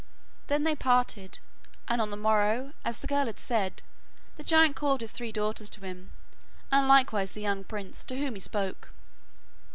Then they parted, and on the morrow, as the girl had said, the giant called his three daughters to him, and likewise the young prince to whom he spoke.